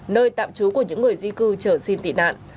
nơi tạm trú của những người di cư chờ xin tị nạn